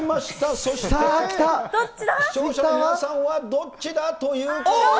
そして、視聴者の皆さんはどっちだということは。